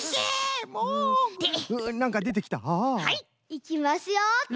いきますよ。